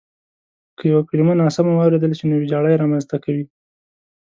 که یوه کلیمه ناسمه واورېدل شي نو وېجاړی رامنځته کوي.